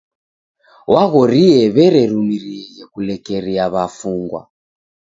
W'aghorie w'ererumirieghe kulekeria w'afungwa.